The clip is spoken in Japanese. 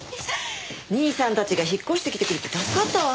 兄さんたちが引っ越してきてくれて助かったわ。